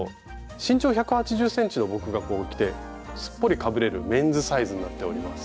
身長１８０ｃｍの僕がこう着てすっぽりかぶれるメンズサイズになっております。